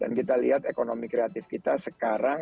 dan kita lihat ekonomi kreatif ini sangat berkembang